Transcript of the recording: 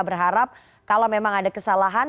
berharap kalau memang ada kesalahan